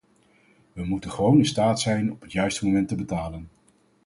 We moeten gewoon in staat zijn op het juiste moment te betalen.